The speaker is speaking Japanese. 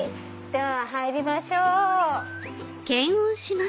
では入りましょう。